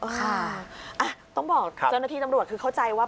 ค่ะต้องบอกเจ้าหน้าที่ตำรวจคือเข้าใจว่า